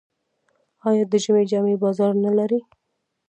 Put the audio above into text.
آیا د ژمي جامې بازار نلري؟